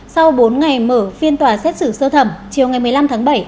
sau bốn ngày mở phiên tòa xét xử sơ thẩm chiều ngày một mươi năm tháng bảy